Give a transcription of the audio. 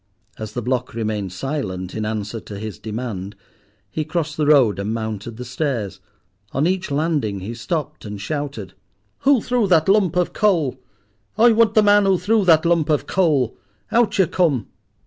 As the block remained silent in answer to his demand, he crossed the road and mounted the stairs. On each landing he stopped and shouted— "Who threw that lump of coal? I want the man who threw that lump of coal. Out you come."